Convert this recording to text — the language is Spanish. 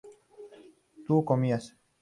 tú comías